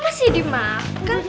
kok masih dimakan